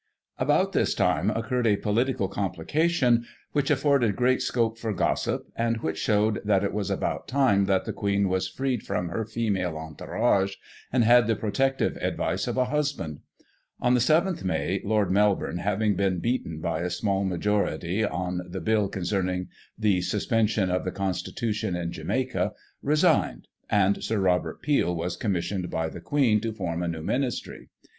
About this time occurred a political complication which afforded great scope for gossip, and which showed that it was about time that the Queen was freed from her female entourage, and had the protective advice of a husband. On the 7th May, Lord Melbourne, having been beaten, by a small majority, on the Bill concerning the Suspension of the Con stitution in Jamaica, resigned, and Sir Robert Peel was commissioned by the Queen to form a new Ministry.